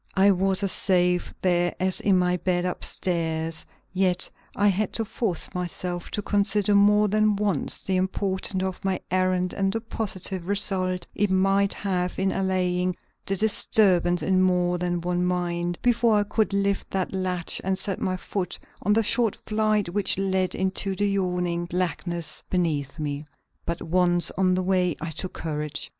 I was as safe there as in my bed up stairs, yet I had to force myself to consider more than once the importance of my errand and the positive result it might have in allaying the disturbance in more than one mind, before I could lift that latch and set my foot on the short flight which led into the yawning blackness beneath me. But once on my way I took courage.